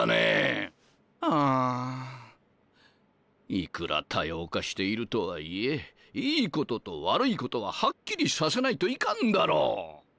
いくら多様化しているとはいえいいことと悪いことははっきりさせないといかんだろう！